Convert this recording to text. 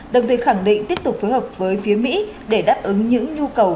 đồng thời khẳng định tiếp tục phối hợp với phía mỹ để đáp ứng